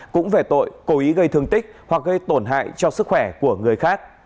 cũng về tội cố ý gây thương tích hoặc gây tổn hại cho sức khỏe của người khác